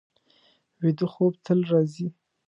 ویده خوب تل راځي